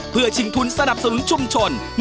เพื่อชิงทุนสนับสนุนชุมชน